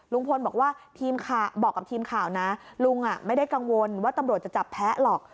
ลุงพลบอกว่าทีมข่าวบอกกับทีมข่าวนะลุงไม่ได้กังวลว่าตำรวจจะจับแพ้หรอก